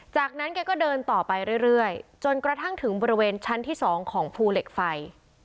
จากนั้นแกก็เดินต่อไปเรื่อยจนกระทั่งถึงบริเวณชั้นที่๒ของภูเหล็กไฟ